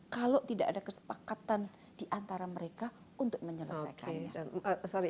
kalau tidak ada kesepakatan di antara mereka untuk menyelesaikannya